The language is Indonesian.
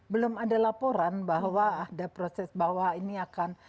belum ada laporan bahwa ada proses bahwa ini akan